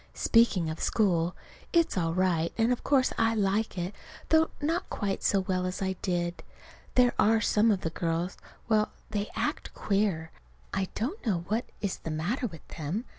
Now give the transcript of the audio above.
Speaking of school, it's all right, and of course I like it, though not quite so well as I did. There are some of the girls well, they act queer. I don't know what is the matter with them.